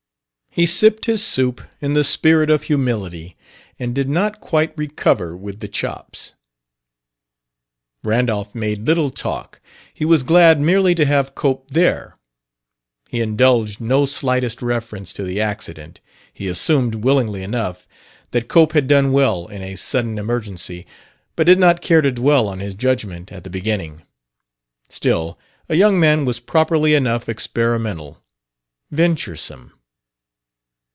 He sipped his soup in the spirit of humility, and did not quite recover with the chops. Randolph made little talk; he was glad merely to have Cope there. He indulged no slightest reference to the accident; he assumed, willingly enough, that Cope had done well in a sudden emergency, but did not care to dwell on his judgment at the beginning. Still, a young man was properly enough experimental, venturesome...